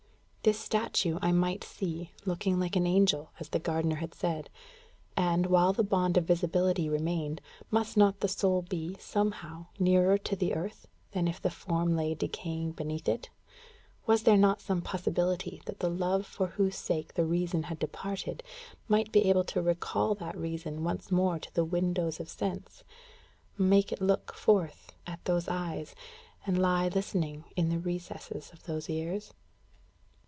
This statue I might see, "looking like an angel," as the gardener had said. And, while the bond of visibility remained, must not the soul be, somehow, nearer to the earth, than if the form lay decaying beneath it? Was there not some possibility that the love for whose sake the reason had departed, might be able to recall that reason once more to the windows of sense, make it look forth at those eyes, and lie listening in the recesses of those ears?